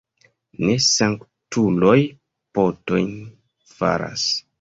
Ne sanktuloj potojn faras.